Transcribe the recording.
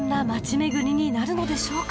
めぐりになるのでしょうか？